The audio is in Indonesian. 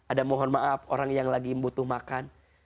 ada mohon maaf orang yang lagi butuh makan